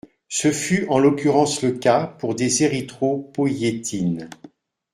Ce fut en l’occurrence le cas pour des érythropoïétines.